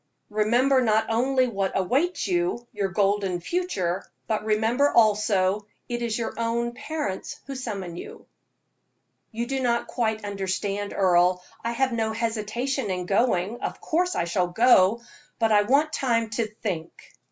Remember not only what awaits you your golden future but remember, also, it is your own parents who summon you." "You do not quite understand, Earle. I have no hesitation in going. Of course I shall go, but I want time to think."